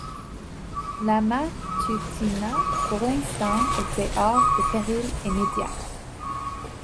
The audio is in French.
La Matutina, pour l’instant, était hors de péril immédiat.